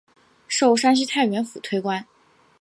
授山西太原府推官。